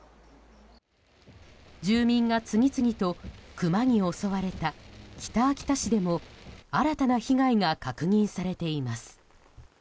住民が次々とクマに襲われた北秋田市でも新たな被害が確認されています。